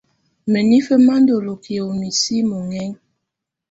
Mǝ́nifǝ́ má ndɔ́ ɔlókiǝ́ ú misi mɔ́ŋɛŋa.